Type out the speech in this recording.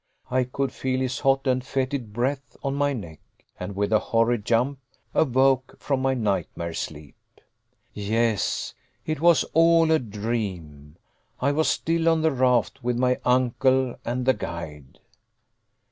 I could feel his hot and fetid breath on my neck; and with a horrid jump awoke from my nightmare sleep. Yes it was all a dream. I was still on the raft with my uncle and the guide.